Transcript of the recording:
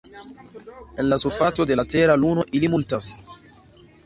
En la surfaco de la Tera Luno ili multas.